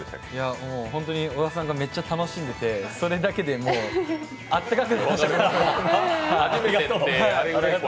小田さんがめっちゃ楽しんでてそれだけであったかくなりました、心が。